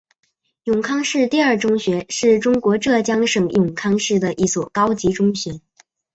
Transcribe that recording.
永康市第二中学是中国浙江省永康市的一所高级中学。